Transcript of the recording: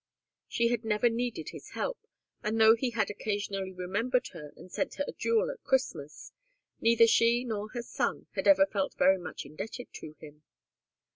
She had never needed his help, and though he had occasionally remembered her and sent her a jewel at Christmas, neither she nor her son had ever felt very much indebted to him.